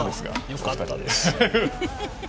よかったです。